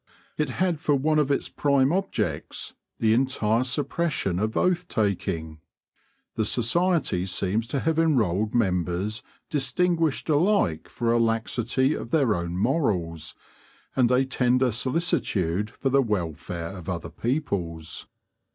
It had for one of its prime objects the entire suppression of oath taking. The society seems to have enrolled members distinguished alike for a laxity of their own morals and a tender solicitude for the welfare of other people's.